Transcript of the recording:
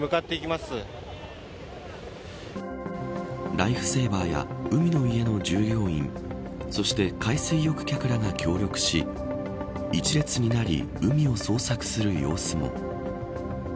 ライフセーバーや海の家の従業員そして海水浴客が協力し１列になり海を捜索する様子も。